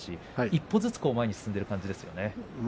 一歩ずつ前に進んでいる感じですね。